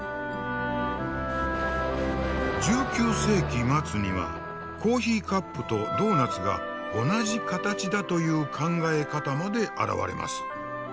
１９世紀末にはコーヒーカップとドーナツが同じ形だという考え方まで現れます。